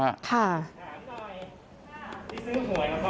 ถามหน่อยที่ซื้อเภทเขาหรือยัง